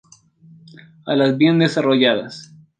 Alas bien desarrolladas.